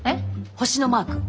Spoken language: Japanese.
星のマーク！